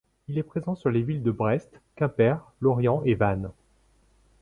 Il est présent sur les villes de Brest, Quimper, Lorient et Vannes.